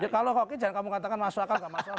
kalau rocky jangan kamu katakan masuk akal gak masuk akal